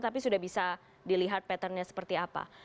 tapi sudah bisa dilihat patternnya seperti apa